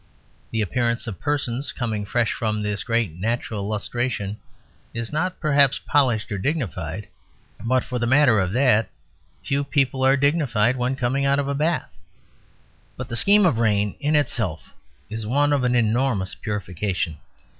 The appearance of persons coming fresh from this great natural lustration is not perhaps polished or dignified; but for the matter of that, few people are dignified when coming out of a bath. But the scheme of rain in itself is one of an enormous purification.